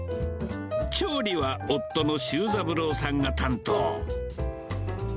調理は夫の修三郎さんが担当。